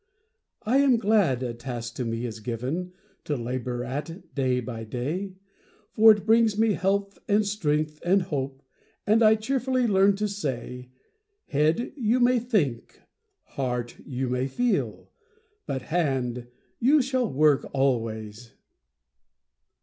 I am glad a task to me is given To labor at day by day; For it brings me health, and strength, and hope, And I cheerfully learn to say 'Head, you may think; heart, you may feel; But hand, you shall work always!'